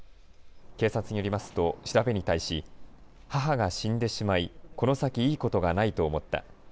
警察によりますと調べに対し母が死んでしまい、この先いいことがないと思った。